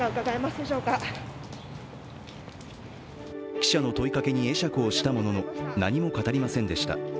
記者の問いかけに会釈をしたものの何も語りませんでした。